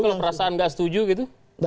kalau perasaan gak setuju gitu